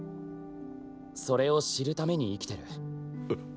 それを知るために生きてる。